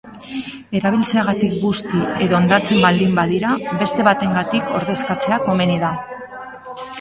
Erabiltzeagatik busti edo hondatzen baldin badira, beste batengatik ordezkatzea komeni da.